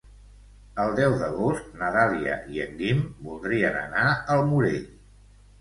El deu d'agost na Dàlia i en Guim voldrien anar al Morell.